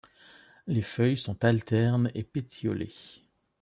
Les feuilles sont alternes et pétiolées.